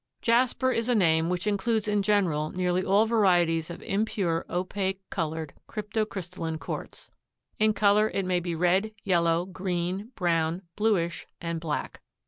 Jasper is a name which includes in general nearly all varieties of impure opaque colored crypto crystalline quartz. In color it may be red, yellow, green, brown, bluish and black.